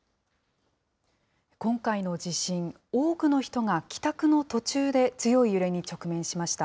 今回の地震、多くの人が帰宅の途中で、強い揺れに直面しました。